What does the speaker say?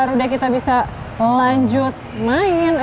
udah kita bisa lanjut main